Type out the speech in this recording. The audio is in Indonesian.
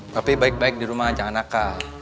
tapi baik baik di rumah jangan nakal